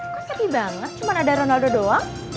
kok sedih banget cuma ada ronaldo doang